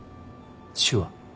手話。